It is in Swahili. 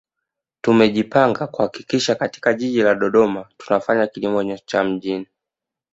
Tumejipanga kuhakikisha katika Jiji la Dodoma tunafanya kilimo cha mjini